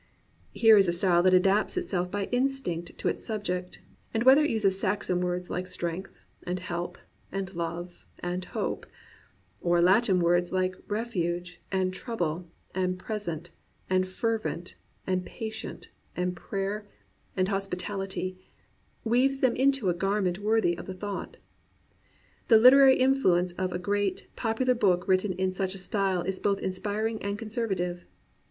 Here is a style that adapts itself by instinct to its subject, and whether it uses Saxon words Hke "strength" and "help" and "love" and "hope," or Latin words like "refuge" and "trouble" and "pres ent" and "fervent" and "patient" and "prayer" and "hospitality," weaves them into a garment worthy of the thought. The Uterary influence of a great, popular book written in such a style is both inspiring and con servative.